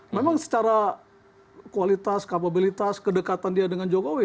memang secara kualitas kapabilitas kedekatan dia dengan jokowi